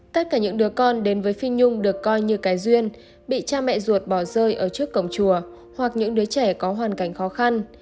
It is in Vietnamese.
tất cả những đứa con đến với phi nhung được coi như cái duyên bị cha mẹ ruột bỏ rơi ở trước cổng chùa hoặc những đứa trẻ có hoàn cảnh khó khăn